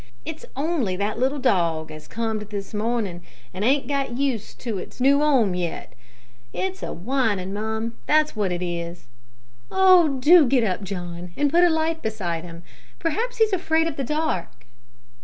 "It's on'y that little dog as comed this morning and ain't got used to its noo 'ome yet. It's a whinin', mum; that's wot it is." "Oh! do get up, John, and put a light beside him; perhaps he's afraid of the dark."